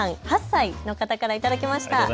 ８歳の方から頂きました。